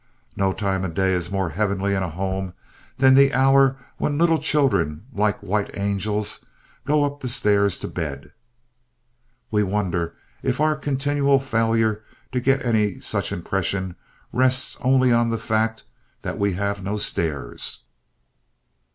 "No time of day is more heavenly in a home than the hour when little children, like white angels, go up the stairs to bed." We wonder if our continued failure to get any such impression rests only on the fact that we have no stairs.